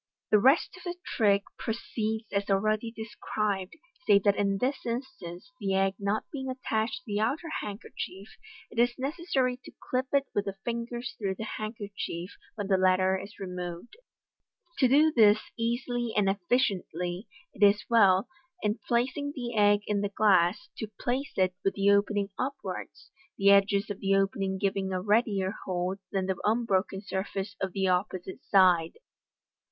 The rest of the trick pro ceeds as already described, save that in this instance, the egg not being attached to the outer handkerchief, it is necessary to clip it with the fingers through the handkerchief when the latter is removed. To do this easily and effectually, it is well, in placing the egg in the glass, to place it with the opening upwards, the edges of the opening giving a readier hold than the unbroken surface of the opposite side.